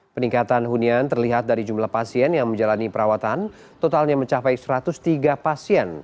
peningkatan hunian terlihat dari jumlah pasien yang menjalani perawatan totalnya mencapai satu ratus tiga pasien